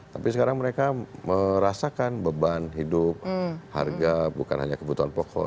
tapi sekarang mereka merasakan beban hidup harga bukan hanya kebutuhan pokok